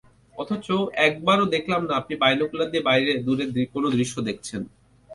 অথচ একবারও দেখলাম না, আপনি বাইনোকুলার দিয়ে বাইরে দূরের কোনো দৃশ্য দেখছেন।